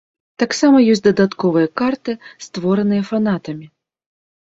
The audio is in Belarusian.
Таксама ёсць дадатковыя карты, створаныя фанатамі.